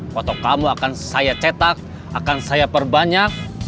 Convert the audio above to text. foto kamu akan saya cetak akan saya perbanyak